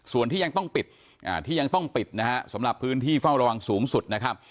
ส่วนที่ยังต้องปิดที่ยังต้องปิดนะฮะสำหรับพื้นที่เฝ้าระวังสูงสุดนะครับ